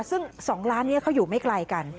ซึ่ง๒ร้านนี้เขาอยู่ไม่ไกลกัน